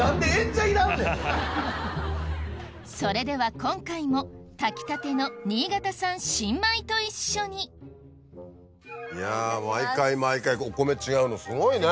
それでは今回も炊きたての新潟産新米と一緒に毎回毎回お米違うのすごいね。